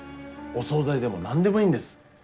お総菜でも何でもいいんです。